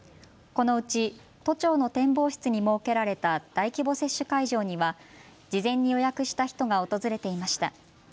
このうち、都庁の展望室に設けられた大規模接種会場には事前に予約した人が訪れていました。